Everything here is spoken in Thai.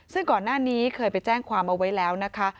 ซึ่งก่อนหน้านี้เคยไปแจ้งความเอาไว้แล้วนะคะ